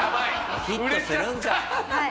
ヒットするんかい！